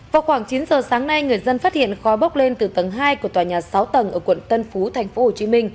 vào khoảng chín giờ sáng nay người dân phát hiện khói bốc lên từ tầng hai của tòa nhà sáu tầng ở quận tân phú tp hcm